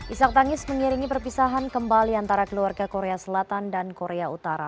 isak tangis mengiringi perpisahan kembali antara keluarga korea selatan dan korea utara